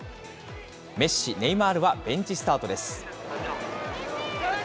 メッシ、ネイマールは、ベンチスタートです。